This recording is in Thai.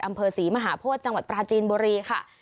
อำเภอศรีมหาโพธิจังหวัดปราจีนบุรีค่ะ